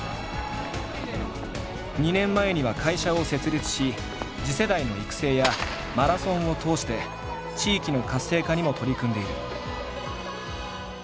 ２年前には会社を設立し次世代の育成やマラソンを通して地域の活性化にも取り組んでいる。